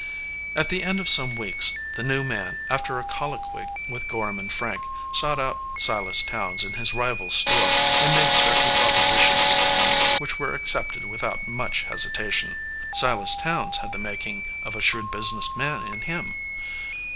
At the end of some weeks the new man, after a colloquy with Gorham and Frank, sought out Silas Towns in his rival store and made certain propo sitions to him which were accepted without much hesitation. Silas Towns had the making of a shrewd business man in him.